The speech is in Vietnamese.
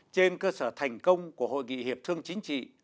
trên cơ sở thành công của hội nghị hiệp thương chính trị